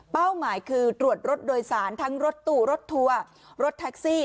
หมายคือตรวจรถโดยสารทั้งรถตู้รถทัวร์รถแท็กซี่